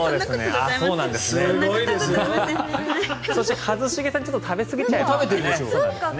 そして一茂さん、ちょっと食べすぎちゃいましたね。